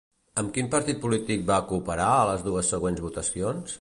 Amb quin partit polític va cooperar a les dues següents votacions?